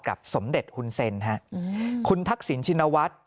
กับสมเด็จคุณเซนคุณทักษิณชินวัตต์